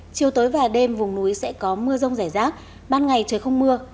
chiều tối và đêm vùng núi sẽ có mưa rông rải rác ban ngày trời không mưa